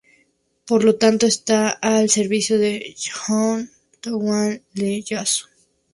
Por lo tanto está al servicio del Shogun, Tokugawa Ieyasu.